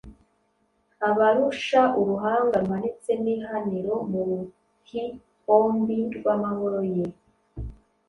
Ubarusha uruhanga ruhanitse n’ihaniro, mu ruhiombi rw’amahoro ,yeee